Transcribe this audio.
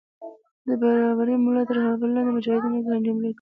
د بابړي مُلا تر رهبری لاندي مجاهدینو حملې کړې.